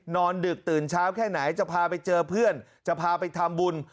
ดึกตื่นเช้าแค่ไหนจะพาไปเจอเพื่อนจะพาไปทำบุญ